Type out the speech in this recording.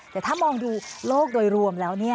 แต่ถ้ามองดูโลกโดยรวมแล้ว